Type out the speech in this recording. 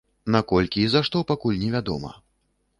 Наколькі і за што, пакуль невядома.